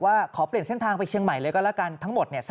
ขอเปลี่ยนเส้นทางไปเชียงใหม่เลยก็แล้วกันทั้งหมด